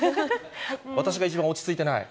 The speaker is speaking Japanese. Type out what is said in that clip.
私が一番落ち着いてない？